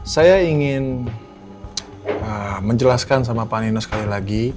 saya ingin menjelaskan sama pak nino sekali lagi